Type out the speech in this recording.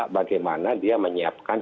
bagaimana dia menyiapkan